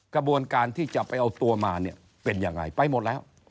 กระบวนการที่จะไปเอาตัวมาเป็นอย่างไรไปหมดแล้ว